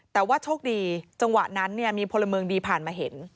แต่ว่าโชคดีจังหวะนั้นเนี่ยมีพลเมืองดีผ่านมาเห็น